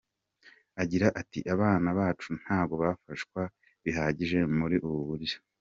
Agira ati: “Abana bacu ntago bafashwa bihagije muri ubu buryo.